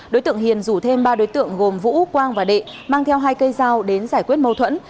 đối tượng hiền rủ thêm ba đối tượng gồm vũ quang và đệ mang theo hai cây dao đến giải quyết mâu thuẫn